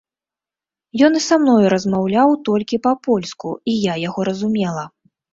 Ён і са мною размаўляў толькі па-польску, і я яго разумела.